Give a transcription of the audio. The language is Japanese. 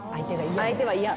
相手は嫌。